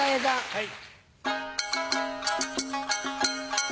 はい。